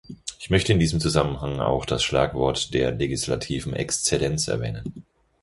Ich möchte in diesem Zusammenhang auch das Schlagwort der legislativen Exzellenz erwähnen.